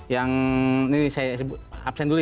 yang ini saya sebut absen dulu ya